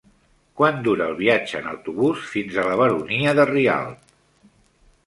Quant dura el viatge en autobús fins a la Baronia de Rialb?